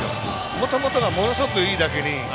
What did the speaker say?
もともとが、ものすごくいい打球。